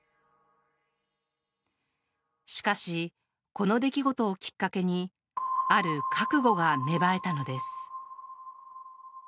しかしこの出来事をきっかけにある覚悟が芽生えたのです